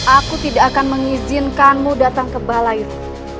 aku tidak akan mengizinkanmu datang ke malaiirung